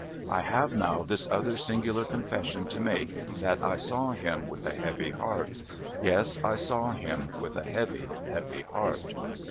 I have now this other singular confession to make, that I saw him with a heavy heart. Yes ; I saw him with a heavy, heavy heart.